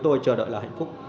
tôi chờ đợi là hạnh phúc